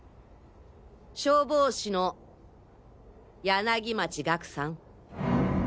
消防士の柳町岳さん。